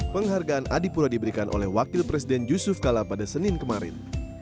penghargaan adipura diberikan oleh wakil presiden yusuf kala pada senin kemarin